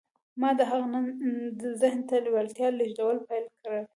ما د هغه ذهن ته د لېوالتیا لېږدول پیل کړل